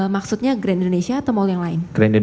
maksudnya gi atau mall yang lain